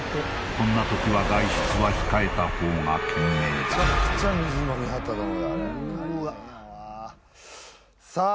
こんな時は外出は控えた方が賢明だむちゃくちゃ水飲みはったと思うよあれ大変やわうわっさあ